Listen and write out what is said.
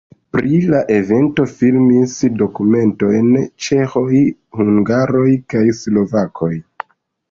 Pri la evento filmis dokumentojn ĉeĥoj, hungaroj kaj slovakoj.